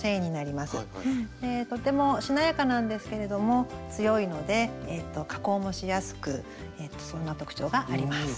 とてもしなやかなんですけれども強いので加工もしやすくそんな特徴があります。